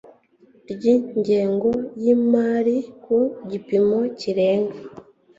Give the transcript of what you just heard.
ry ingengo y imari ku gipimo kirenga